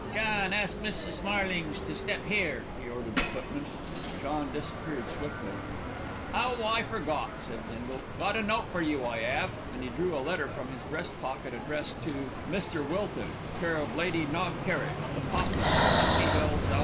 "John, ask Mrs. Marlings to step here," he ordered the footman. John disappeared swiftly. "Oh, I forgot," said Bindle. "Got a note for you, I 'ave;" and he drew a letter from his breast pocket addressed "Mr. Wilton, c/o Lady Knob Kerrick, The Poplars, Putney Hill, S.W."